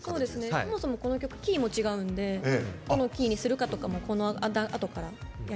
そもそもこの曲キーも違うんでどのキーにするかとかもこのあとからやりました。